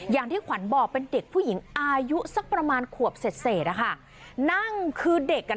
อย่างที่ขวัญบอกเป็นเด็กผู้หญิงอายุสักประมาณขวบเศษเสร็จอะค่ะนั่งคือเด็กอ่ะ